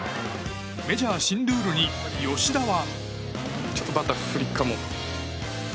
メジャー新ルールに吉田は。